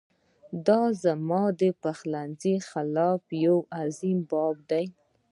دا زموږ د خپلمنځي اختلاف یو عظیم باب دی.